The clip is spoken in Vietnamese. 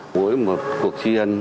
mỗi một cuộc chiến